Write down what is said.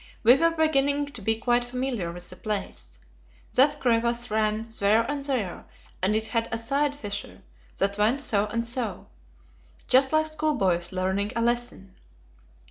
We were beginning to be quite familiar with the place. That crevasse ran there and there, and it had a side fissure that went so and so just like schoolboys learning a lesson.